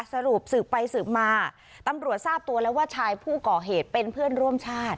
สรุปสืบไปสืบมาตำรวจทราบตัวแล้วว่าชายผู้ก่อเหตุเป็นเพื่อนร่วมชาติ